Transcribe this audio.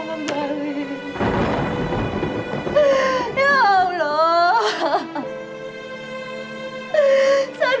kalim ya allah kalim